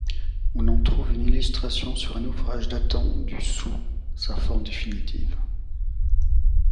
On en trouve une illustration sur un ouvrage datant du sous sa forme définitive.